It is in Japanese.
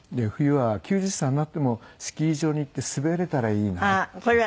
冬は９０歳になってもスキー場に行って滑れたらいいなって。